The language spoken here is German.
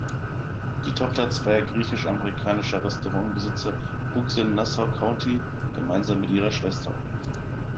Die Tochter zweier griechisch-amerikanischer Restaurantbesitzer wuchs in Nassau County gemeinsam mit ihrer Schwester auf.